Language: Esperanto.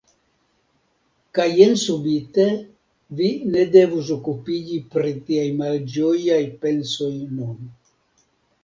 Kaj jen subite vi ne devus okupiĝi pri tiaj malĝojaj pensoj nun.